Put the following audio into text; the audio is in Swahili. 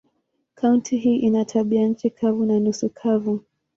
Kaunti hii ina tabianchi kavu na nusu kavu.